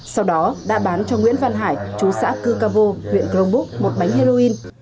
sau đó đã bán cho nguyễn văn hải chú xã cư cà vô huyện cronbúc một bánh heroin